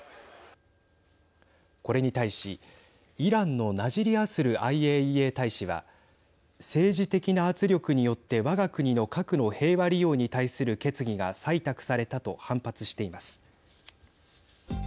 これに対し、イランのナジリアスルＩＡＥＡ大使は政治的な圧力によって、わが国の核の平和利用に対する決議が採択されたと反発しています。